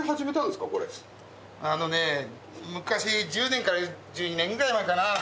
あのね昔１０年から１２年ぐらい前かな？